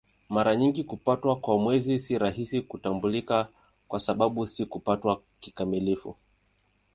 Mara nyingi kupatwa kwa Mwezi si rahisi kutambulika kwa sababu si kupatwa kikamilifu.